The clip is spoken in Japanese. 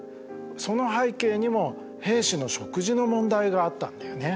その背景にも兵士の食事の問題があったんだよね。